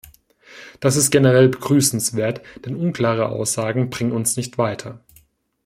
Das ist generell begrüßenswert, denn unklare Aussagen bringen uns nicht weiter.